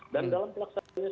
dan dalam pelaksanaan